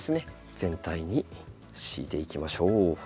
全体に敷いていきましょう。